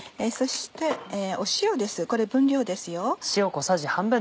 そして塩ですこれ分量ですよ。